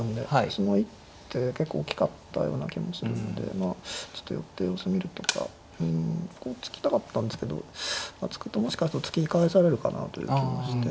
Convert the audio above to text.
その一手結構大きかったような気もするのでまあちょっと寄って様子見るとかうんこう突きたかったんですけど突くともしかすると突き返されるかなという気もして。